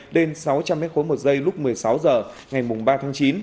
lên sáu trăm linh m ba một giây lúc một mươi sáu h ngày ba tháng chín